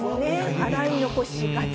洗い残しがち。